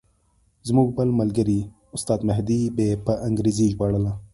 زموږ بل ملګري استاد مهدي به په انګریزي ژباړله.